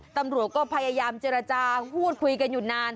ตำรวจก็พยายามเจรจาพูดคุยกันอยู่นาน